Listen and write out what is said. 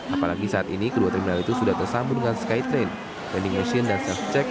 apalagi saat ini kedua terminal itu sudah tersambung dengan skytrain vending machine dan self check